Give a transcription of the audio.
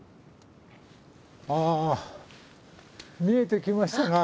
あ見えてきましたが。